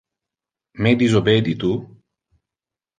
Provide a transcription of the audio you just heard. Me disobedi tu?